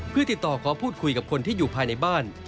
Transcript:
เพื่อติดต่อขอพูดคุยกับคนที่อยู่ภายในบ้าน